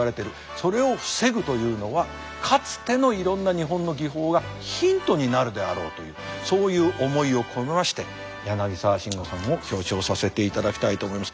それを防ぐというのはかつてのいろんな日本の技法がヒントになるであろうというそういう思いを込めまして柳沢慎吾さんを表彰させていただきたいと思います。